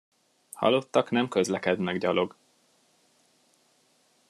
Halottak nem közlekednek gyalog.